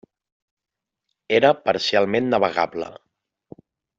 Era parcialment navegable.